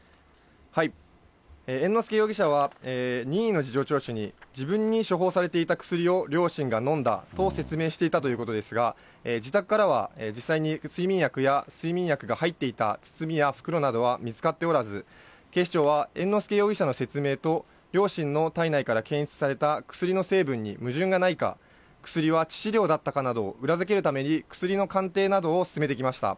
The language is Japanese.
猿之助容疑者は任意の事情聴取に、自分に処方されていた薬を両親が飲んだと説明していたということですが、自宅からは実際に睡眠薬や睡眠薬が入っていた包みや袋などは見つかっておらず、警視庁は猿之助容疑者の説明と両親の体内から検出された薬の成分に矛盾がないか、薬は致死量だったかなどを裏付けるために薬の鑑定などを進めてきました。